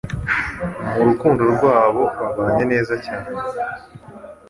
Mu rukundo rwabo babanye neza cyane